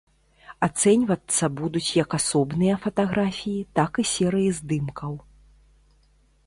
Ацэньвацца будуць як асобныя фатаграфіі, так і серыі здымкаў.